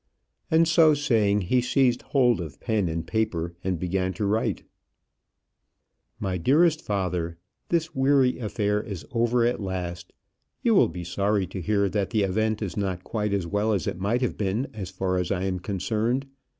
And, so saying, he seized hold of pen and paper and began to write. My dearest Father, This weary affair is over at last. You will be sorry to hear that the event is not quite as well as it might have been as far as I am concerned.